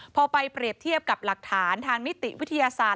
พอไปเปรียบเทียบกับหลักฐานทางนิติวิทยาศาสตร์